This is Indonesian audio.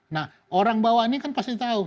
nah orang bawah ini kan pasti tahu